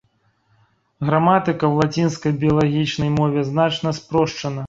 Граматыка ў лацінскай біялагічнай мове значна спрошчана.